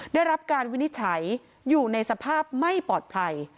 ได้รับการวินิจฉัยอยู่ในสภาพไม่ปลอดภัย